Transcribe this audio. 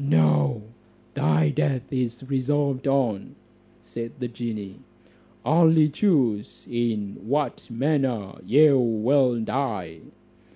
"No, thy death is resolved on," said the genie, "only choose in what manner you will die."